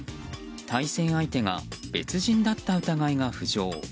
対戦相手が別人だった疑いが浮上。